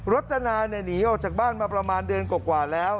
จนาหนีออกจากบ้านมาประมาณเดือนกว่าแล้ว